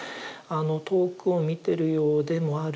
遠くを見てるようでもある